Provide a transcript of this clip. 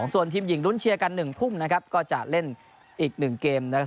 ส่วนทีมหญิงลุ้นเชียร์กัน๑ทุ่มนะครับก็จะเล่นอีก๑เกมนะครับ